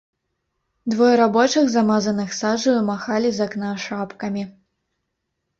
Двое рабочых, замазаных сажаю, махалі з акна шапкамі.